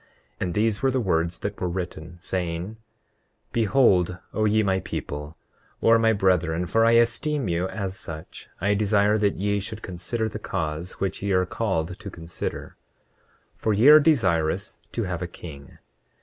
And these were the words that were written, saying: 29:5 Behold, O ye my people, or my brethren, for I esteem you as such, I desire that ye should consider the cause which ye are called to consider—for ye are desirous to have a king.